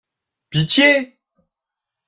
Pitié !